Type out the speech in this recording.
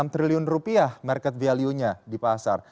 tujuh ratus lima puluh tujuh enam triliun rupiah market value nya di pasar